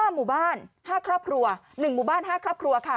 ๕หมู่บ้าน๕ครอบครัว๑หมู่บ้าน๕ครอบครัวค่ะ